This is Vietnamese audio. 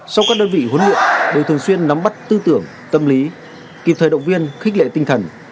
sau các đơn vị huấn luyện đều thường xuyên nắm bắt tư tưởng tâm lý kịp thời động viên khích lệ tinh thần